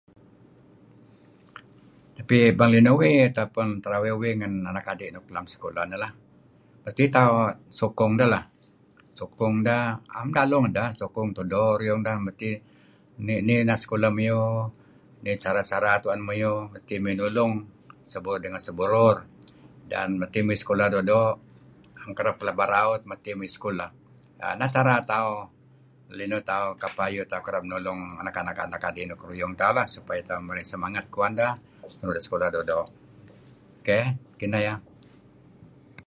Tapi bang linuh uih tapen terawey wih anakadi' nuk lem sekolah ineh lah, mesti tauh sokong deh lah neh am daluh ngedeh sokong tudo ruyung deh nih anak sekolah muyuh mo nih cara-cara tuen me nulung seburur dengan seburur dan mesti muyuh may sekolah doo'-doo' naem kereb pelaba raut may sekolah neh cara tauh linuh tauh kidih tauh kereb nulung anak anak-anak adi' nuk ruyung tauh lah dih tauh marey semangat kuan dah nuru' sekolah doo'-doo'. Keyh. kineh yeh.